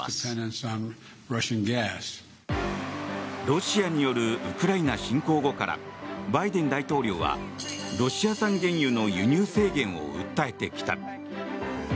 ロシアによるウクライナ侵攻後からバイデン大統領はロシア産原油の輸入制限を訴えてきた。